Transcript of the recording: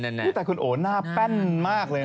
นี่แต่คุณโอหน้าแป้นมากเลยนะ